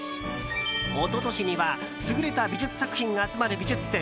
一昨年には優れた美術作品が集まる美術展